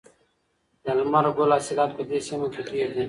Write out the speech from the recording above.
د لمر ګل حاصلات په دې سیمه کې ډیر دي.